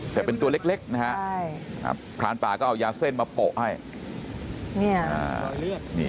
แต่เป็นตัวเล็กนะฮะพรานป่าก็เอายาเส้นมาโปะให้